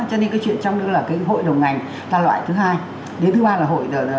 cho nên cái chuyện trong đó là cái hội đồng ngành ta loại thứ hai